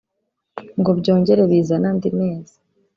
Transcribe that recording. ngo byongere bizane andi mezi